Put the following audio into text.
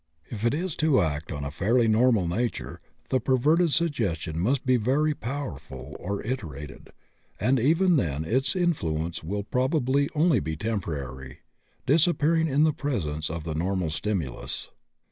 If it is to act on a fairly normal nature the perverted suggestion must be very powerful or iterated, and even then its influence will probably only be temporary, disappearing in the presence of the normal stimulus.